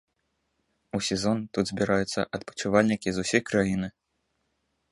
У сезон тут збіраюцца адпачывальнікі з усёй краіны.